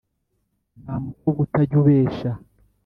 Nta mukobwa utajy ubesha